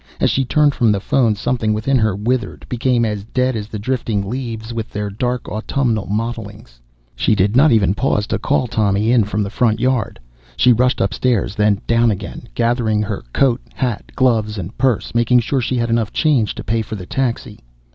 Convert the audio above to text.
As she turned from the phone something within her withered, became as dead as the drifting leaves with their dark autumnal mottlings. She did not even pause to call Tommy in from the yard. She rushed upstairs, then down again, gathering up her hat, gloves and purse, making sure she had enough change to pay for the taxi.